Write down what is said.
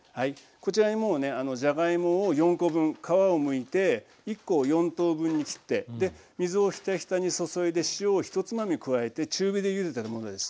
こちらにもうねじゃがいもを４コ分皮をむいて１コを４等分に切って水をヒタヒタに注いで塩を１つまみ加えて中火でゆでてるものです。